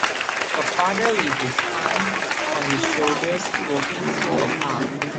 A father with his son on his shoulders walking through a park.